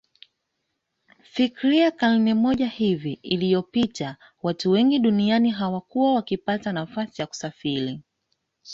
Fikiria karne moja hivi iliyopita watu wengi duniani hawakuwa wakipata nafasi ya kusafiri